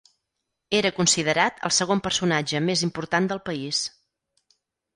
Era considerat el segon personatge més important del país.